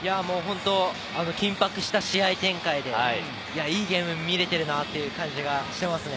緊迫した試合展開で、いいゲームを見れてるなっていう感じがしてますね。